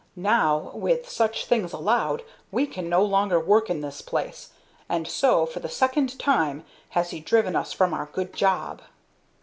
Now, with such things allowed, we can no longer work in this place, and so, for the second time, has he driven us from our good job."